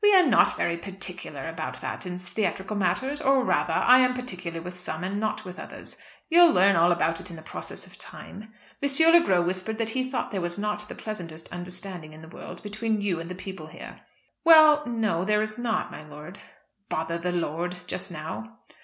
"We are not very particular about that in theatrical matters; or, rather, I am particular with some and not with others. You'll learn all about it in process of time. M. Le Gros whispered that he thought there was not the pleasantest understanding in the world between you and the people here." "Well, no; there is not, my lord." "Bother the lord, just now."